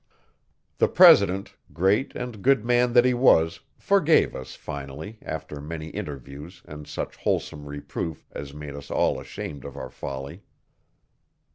The president, great and good man that he was, forgave us, finally, after many interviews and such wholesome reproof as made us all ashamed of our folly.